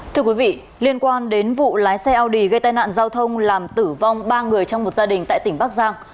thưa quý vị liên quan đến vụ lái xe eo đề gây tai nạn giao thông làm tử vong ba người trong một gia đình tại tỉnh bắc giang